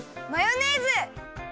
マヨネーズ！